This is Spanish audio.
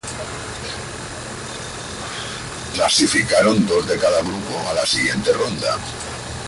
Clasificaron dos de cada grupo a la siguiente ronda.